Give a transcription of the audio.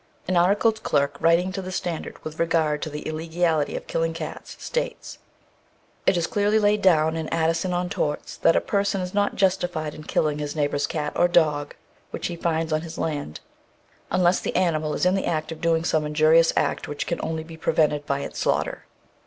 An "Articled Clerk," writing to The Standard with regard to the illegality of killing cats, states: "It is clearly laid down in 'Addison on Torts,' that a person is not justified in killing his neighbour's cat, or dog, which he finds on his land, unless the animal is in the act of doing some injurious act which can only be prevented by its slaughter.